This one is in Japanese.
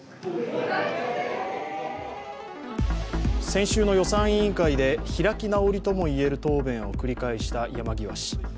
先週の予算委員会で開き直りともいえる答弁を繰り返した山際氏。